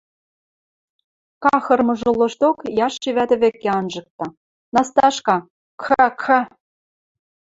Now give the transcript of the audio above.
Кахырымжы лошток Яши вӓтӹ вӹкӹ анжыкта: – Насташка, кха, кха...